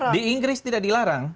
di inggris tidak dilarang